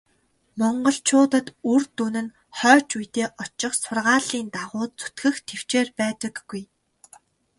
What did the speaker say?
Монголчуудад үр дүн нь хойч үедээ очих сургаалын дагуу зүтгэх тэвчээр байдаггүй.